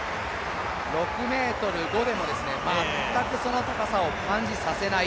６ｍ５でも全くその高さを感じさせない